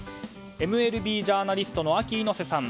ＭＬＢジャーナリストのＡＫＩ猪瀬さん。